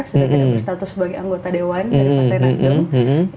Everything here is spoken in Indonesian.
sudah tidak punya status sebagai anggota dewan dari partai nasdo